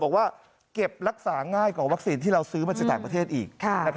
บอกว่าเก็บรักษาง่ายกว่าวัคซีนที่เราซื้อมาจากต่างประเทศอีก